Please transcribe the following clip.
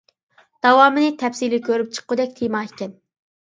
داۋامىنى تەپسىلىي كۆرۈپ چىققۇدەك تېما ئىكەن.